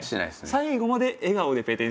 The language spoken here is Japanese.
最後まで笑顔でペテン。